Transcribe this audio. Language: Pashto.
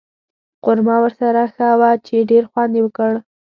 قورمه ورسره وه چې ډېر خوند یې وکړ.